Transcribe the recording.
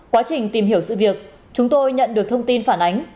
quá trình tìm hiểu sự việc chúng tôi nhận được thông tin phản ánh